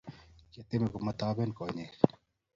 kiatiem komo topen konyek.